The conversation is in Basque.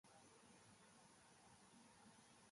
Hala ere, orratzak hots egiten du ildoan.